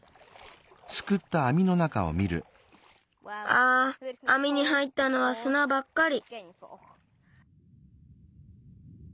ああみに入ったのはすなばっかり。